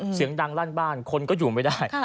เสียงดังลั่นบ้านคนก็อยู่ไม่ได้